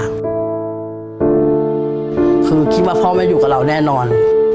คือคิดว่าพ่อไม่อยู่กับเราแน่นอน